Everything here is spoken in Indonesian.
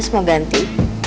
mas mau ganti